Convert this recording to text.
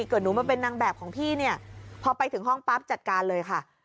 หนูมาเป็นนางแบบของพี่เนี่ยพอไปถึงห้องปั๊บจัดการเลยค่ะ